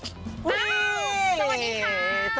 สวัสดีค่ะ